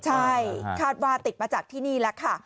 ใช่คัทบาร์ติดมาจากที่นี่แล้วค่ะ